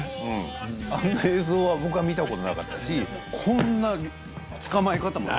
あんな映像は僕は見たことなかったしこんな捕まえ方も。